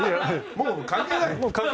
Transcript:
もう関係ない。